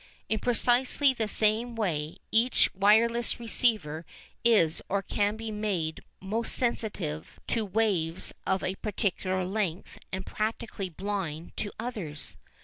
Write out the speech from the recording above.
In precisely the same way each wireless receiver is or can be made most sensitive to waves of a particular length and practically blind to all others.